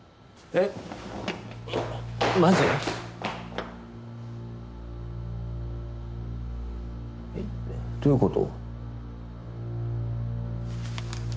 えっどういう事？